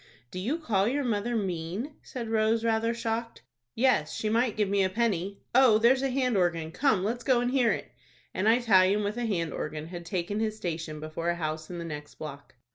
"Do you call your mother mean?" said Rose, rather shocked. "Yes, she might give me a penny. Oh, there's a hand organ. Come, let's go and hear it." An Italian, with a hand organ, had taken his station before a house in the next block.